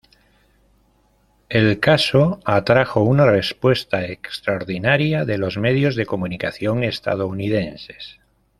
El caso atrajo una respuesta extraordinaria de los medios de comunicación estadounidenses.